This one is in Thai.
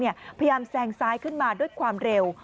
พยายามแซงซ้ายขึ้นมาด้วยความเร็ว